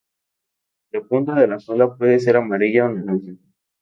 La punta de la cola puede ser amarilla o naranja.